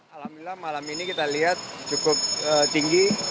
alhamdulillah malam ini kita lihat cukup tinggi